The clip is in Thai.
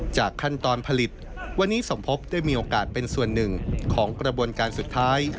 ขั้นตอนผลิตวันนี้สมภพได้มีโอกาสเป็นส่วนหนึ่งของกระบวนการสุดท้าย